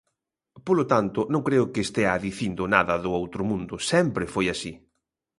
Polo tanto, non creo que estea dicindo nada do outro mundo, sempre foi así.